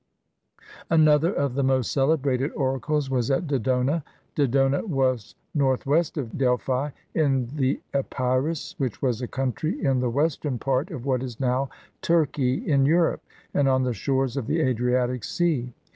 Another of the most celebrated oracles was at Do dona. Dodona was northwest of Delphi, in the Epirus, which was a country in the western part of what is now Turkey in Europe, and on the shores of the Adriatic Sea.